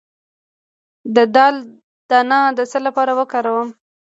د دال دانه د څه لپاره وکاروم؟